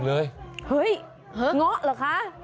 ก็ยังงะ